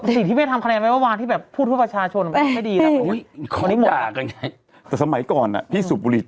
สิ่งที่เธอทำแค่เลยว่าที่แบบพูดกับประชาชนไม่ดี